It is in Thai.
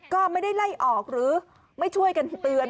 ก็ไม่ได้ไล่ออกหรือไม่ช่วยกันเตือน